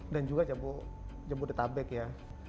dan juga jambu detabek ya